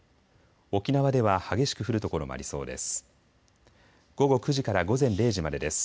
沖縄では激しく降る所もありそうです。